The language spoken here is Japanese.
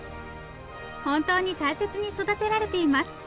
本当に大切に育てられています。